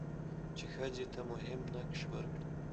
چې ښځې ته مهم نقش ورکړي؛